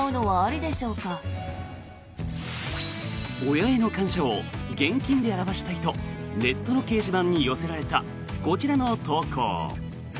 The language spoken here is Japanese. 親への感謝を現金で表したいとネットの掲示板に寄せられたこちらの投稿。